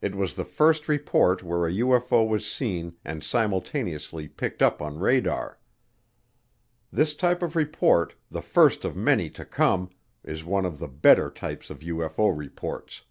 It was the first report where a UFO was seen and simultaneously picked up on radar. This type of report, the first of many to come, is one of the better types of UFO reports.